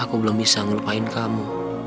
aku belum bisa melupain kamu